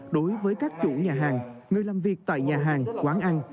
đối với các chủ nhà hàng người làm việc tại nhà hàng quán ăn